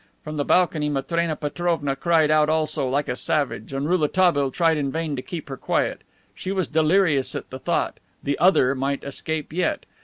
From the balcony Matrena Petrovna cried out also, like a savage, and Rouletabille tried in vain to keep her quiet. She was delirious at the thought "The Other" might escape yet.